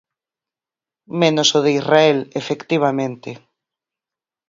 Menos o de Israel, efectivamente.